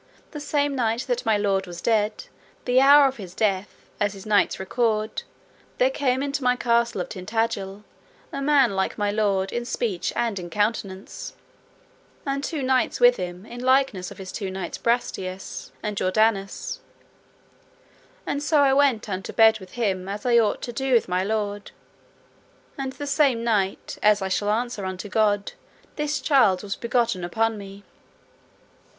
The same night that my lord was dead, the hour of his death, as his knights record, there came into my castle of Tintagil a man like my lord in speech and in countenance, and two knights with him in likeness of his two knights Brastias and Jordanus, and so I went unto bed with him as I ought to do with my lord, and the same night, as I shall answer unto God, this child was begotten upon me.